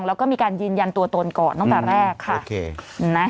แล้วก็มีการยืนยันตัวตนก่อนตั้งแต่แรกค่ะโอเคนะ